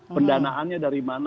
pendanaannya dari mana